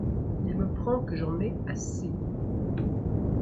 Il me prend que j'en ai assez !